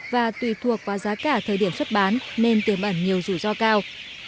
và tùy thuộc vào giá cả thời điểm xuất bán nên tiềm ẩn nhiều rủi ro cao